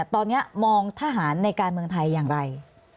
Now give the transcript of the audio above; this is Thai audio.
ตอนนี้มองทหารในการเมืองไทยอย่างไร